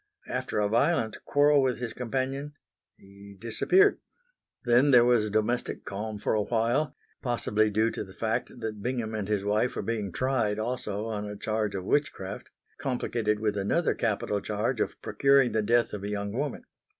After a violent quarrel with his companion he disappeared. Then there was domestic calm for a while, possibly due to the fact that Bingham and his wife were being tried also on a charge of witchcraft, complicated with another capital charge of procuring the death of a young woman.